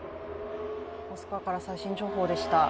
モスクワから最新情報でした。